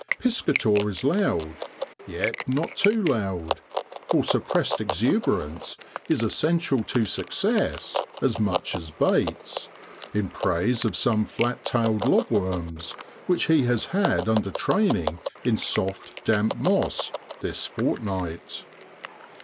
Piscator is loud yet not too loud, for suppressed exuberance is essential to success as much as baits in praise of some flat tailed lobworms, which he has had under training in soft, damp moss ' this fortnight.'